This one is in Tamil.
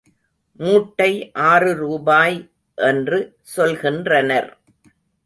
மூட்டை ஆறு ரூபாய் என்று சொல்கின்றனர்.